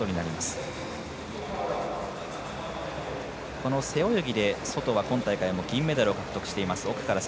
この背泳ぎでソトは銀メダルを獲得しています。